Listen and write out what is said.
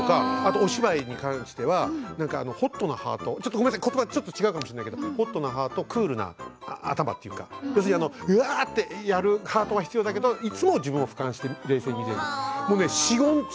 お芝居に関してはホットなハートことばが違うかもしれないけどホットなハート、クールな頭うわっとやるハートは必要だけどいつも自分をふかんして冷静に見る。